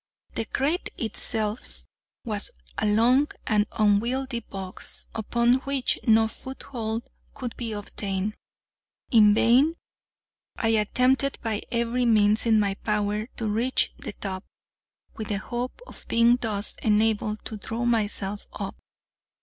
The crate itself was a long and unwieldy box, upon which no foothold could be obtained. In vain I attempted, by every means in my power, to reach the top, with the hope of being thus enabled to draw myself up.